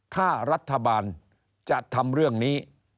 ถ้ารัฐบาลจะทำเรื่องนี้